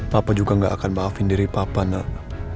papa juga gak akan maafin diri papa nak